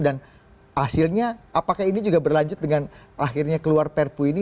dan hasilnya apakah ini juga berlanjut dengan akhirnya keluar perpu ini